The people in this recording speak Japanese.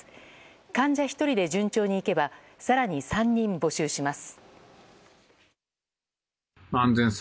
患者１人で順調にいけば更に３人募集します。